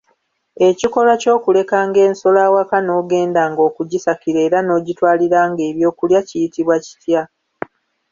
Ekikolwa ky'okulekanga ensolo awaka n'ogendanga okugisakira era n'ogitwaliranga ebyokulya kiyitibwa kitya?